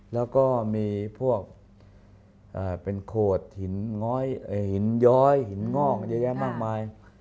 แล้วก็มีพวกเป็นโขดหินง้อยหินย้อยหินงอกเยอะแยะมากมาย